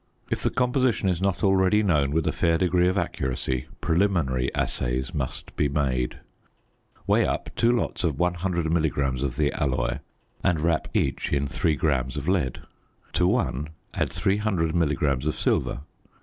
If the composition is not already known with a fair degree of accuracy preliminary assays must be made. Weigh up two lots of 100 milligrams of the alloy and wrap each in 3 grams of lead. To one add 300 milligrams of silver.